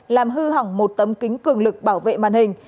làm hư hỏng một tấm kính cường lực bảo vệ màn hình